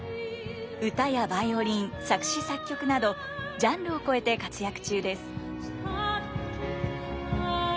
歌やバイオリン作詞作曲などジャンルを超えて活躍中です。